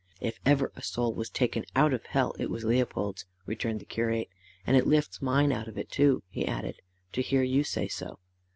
"If ever a soul was taken out of hell, it was Leopold's," returned the curate. "And it lifts mine out of it too," he added, "to hear you say so."